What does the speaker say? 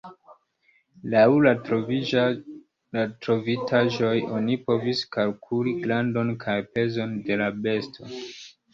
Laŭ la trovitaĵoj oni povis kalkuli grandon kaj pezon de la besto.